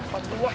pak kemet ya